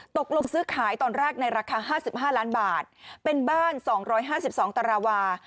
ตกลงซื้อขายตอนแรกในราคาห้าสิบห้าล้านบาทเป็นบ้านสองร้อยห้าสิบสองตาราวา